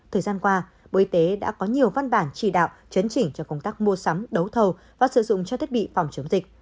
thời gian qua bộ y tế đã có nhiều văn bản chỉ đạo chấn chỉnh cho công tác mua sắm đấu thầu và sử dụng cho thiết bị phòng chống dịch